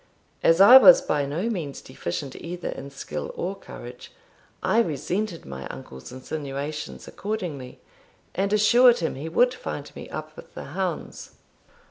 As I was by no means deficient either in skill or courage, I resented my uncle's insinuation accordingly, and assured him he would find me up with the hounds.